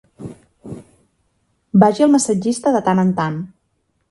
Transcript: Vagi al massatgista de tant en tant.